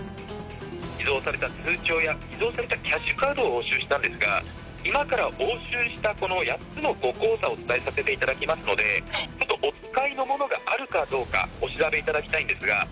偽造された通帳や偽造されたキャッシュカードを押収したんですが、今から押収したこの８つのご口座をお伝えさせていただきますので、ちょっとお使いのものがあるかどうか、お調べいただきたいんです